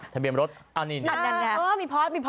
ทะเบียนรถอันนี้นั่นมีพอร์ต